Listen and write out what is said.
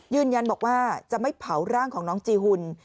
ยืนยันบอกว่าจะไม่เผาร่างของน้องจีหุ่น